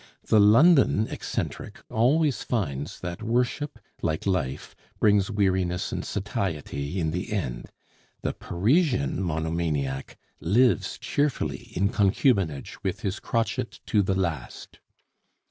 The London "eccentric" always finds that worship, like life, brings weariness and satiety in the end; the Parisian monomaniac lives cheerfully in concubinage with his crotchet to the last.